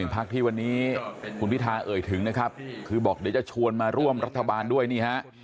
พี่พิทาเอ่ยถึงนะครับคือบอกว่าจะชวนมาร่วมรัฐบาลด้วยนี่ฮะ